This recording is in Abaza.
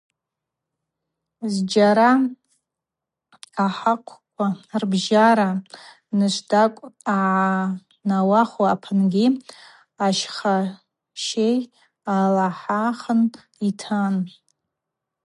Зджьара ахӏахъвква рбжьара нышвтӏакӏв ъагӏанауахвуа апынгьи ащхъащей алахӏахын йтан.